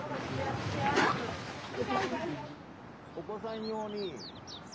お子さん用に。